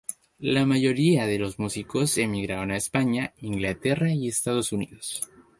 La mayoría de músicos emigraron a España, Inglaterra y Estados Unidos.